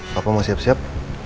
papa mau siap siap